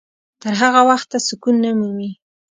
تر هغه وخته سکون نه مومي.